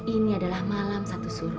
ini adalah malam satu suruh